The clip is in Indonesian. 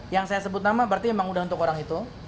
yang saya sebut nama berarti memang udah untuk orang itu